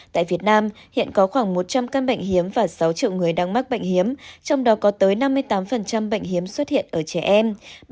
tại việt nam hiện có khoảng một trăm linh căn bệnh hiếm và sáu triệu người đang mắc bệnh hiếm trong đó có tới năm mươi tám bệnh hiếm xuất hiện ở trẻ em